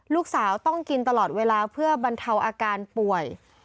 ลูกสาวต้องกินตลอดเวลาเพื่อบรรเทาอาการป่วย